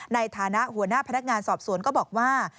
ในฐานะหัวหน้าพนักงานสอบสวนก็บอกว่า